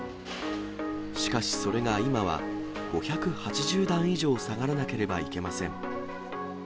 しかし、それが今は５８０段以上下がらなければいけません。